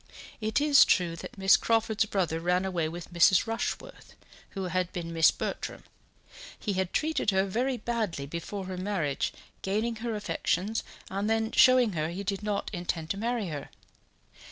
It is true that Miss Crawford's brother ran away with Mrs. Rushworth, who had been Miss Bertram. He had treated her very badly before her marriage, gaining her affections and then showing her he did not intend to marry her.